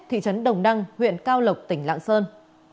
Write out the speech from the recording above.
thị trấn đồng đăng huyện cao lộc tỉnh lạng sơn